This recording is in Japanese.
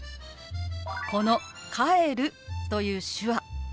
この「帰る」という手話。